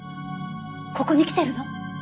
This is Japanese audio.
ここに来てるの？